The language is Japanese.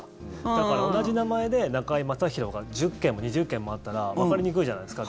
だから、同じ名前で中居正広が１０件も２０件もあったらわかりにくいじゃないですか。